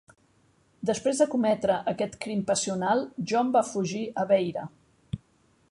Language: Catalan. Després de cometre aquest crim passional, John va fugir a Beira.